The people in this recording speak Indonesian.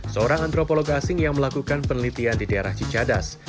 seorang antropologi asing yang melakukan penelitian di daerah cicadas